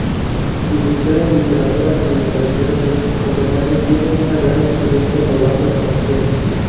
Licenciado en Literatura en la Universidad de Copenague, tiene una gran experiencia rodando comerciales.